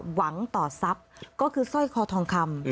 หวังต่อทรัพย์ก็คือสร้อยคอทองคำ